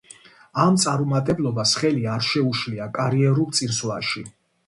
ამ წარუმატებლობას ხელი არ შეუშლია კარიერულ წინსვლაში.